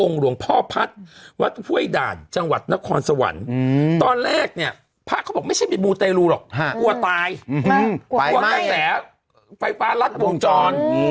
กลัวไตายกลัวกระแสไฟฟ้ารักบ่งจร